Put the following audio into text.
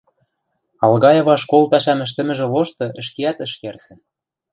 Алгаева школ пӓшӓм ӹштӹмӹжӹ лошты ӹшкеӓт ӹш йӓрсӹ.